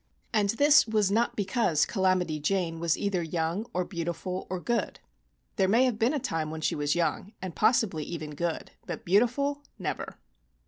And this was not because "Calamity Jane" was either young, or beautiful or good. (There may have been a time when she was young, and possibly even good, but beautiful never.)